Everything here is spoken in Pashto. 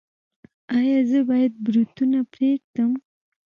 ایا زه باید بروتونه پریږدم؟